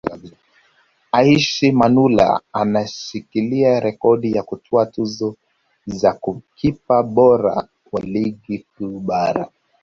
Aishi Manula anashikilia rekodi ya kutwaa tuzo za kipa bora wa Ligi Kuu Bara